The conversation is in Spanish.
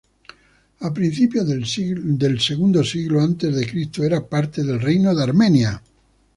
A principios del segundo siglo antes de Cristo era parte del Reino de Armenia.